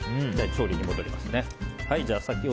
調理に戻りますね。